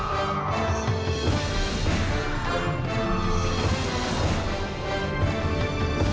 โปรดติดตามตอนต่อไป